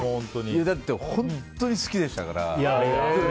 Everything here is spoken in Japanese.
だって本当に好きでしたから。